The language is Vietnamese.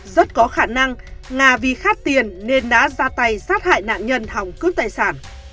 rất có khả năng nga vì khát tiền nên đã ra tay sát hại nạn nhân hòng cướp tài sản